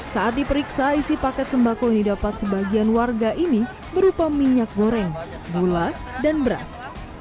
saat diperiksa isi paket sembako yang didapat sebagian warga ini berupa minyak goreng gula dan beras